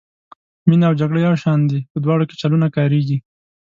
مینه او جګړه یو شان دي په دواړو کې چلونه کاریږي.